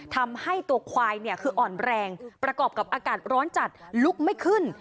ทำให้ตัวควายเนี่ยคืออ่อนแรงประกอบกับอากาศร้อนจัดลุกไม่ขึ้น